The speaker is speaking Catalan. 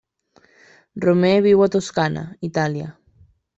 Romer viu a Toscana, Itàlia.